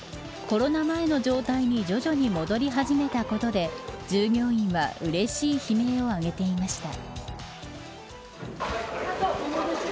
コロナ前の状態に徐々に戻り始めたことで従業員はうれしい悲鳴をあげていました。